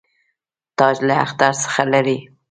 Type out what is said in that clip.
تاج له اختر څخه لري.